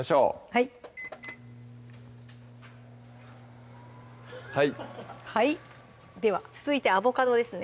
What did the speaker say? はいはいはいでは続いてアボカドですね